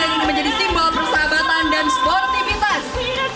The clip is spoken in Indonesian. yang menjadi simbol persahabatan dan sportivitas